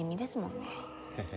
へへ